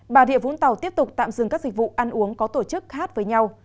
bà rịa vũng tàu tiếp tục tạm dừng các dịch vụ ăn uống có tổ chức khác với nhau